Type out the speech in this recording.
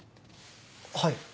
はい。